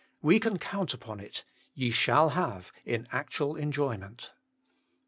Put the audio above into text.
We can count upon it : Ye shall have, in actual enjoyment.